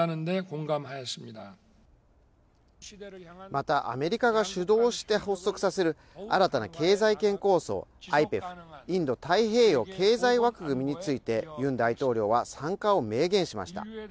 また、アメリカが主導して発足させる新たな経済圏構想、ＩＰＥＦ＝インド太平洋経済枠組みについて、ユン大統領は参加を明言しました。